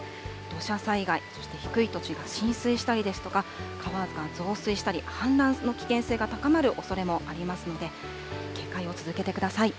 土砂災害、そして低い土地が浸水したりですとか、川が増水したり、氾濫の危険性が高まるおそれもありますので、警戒を続けてください。